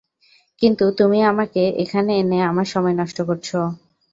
কিন্তু তুমি আমাকে এখানে এনে আমার সময় নষ্ট করছো।